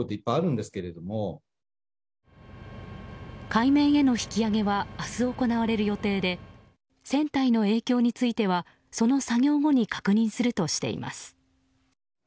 海面への引き揚げは明日、行われる予定で船体の影響についてはその作業後に確認するとしています。